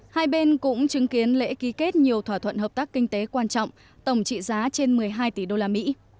hai bên cũng chứng kiến lễ ký kết nhiều thỏa thuận hợp tác kinh tế quan trọng tổng trị giá trên một mươi hai tỷ đô la mỹ